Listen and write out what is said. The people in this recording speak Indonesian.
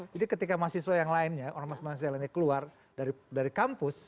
jadi ketika mahasiswa yang lainnya orang orang mahasiswa yang lainnya keluar dari kampus